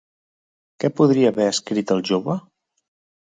Què podria haver escrit el jove?